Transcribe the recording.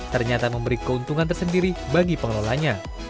ternyata memberi keuntungan tersendiri bagi pengelolanya